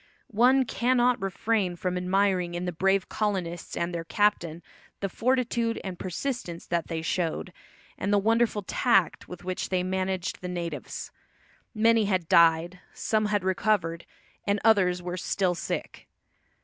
One cannot refrain from admiring in the brave colonists and their captain the fortitude and persistence that they showed, and the wonderful tact with which they managed the natives. Many had died, some had recovered, and others were still sick.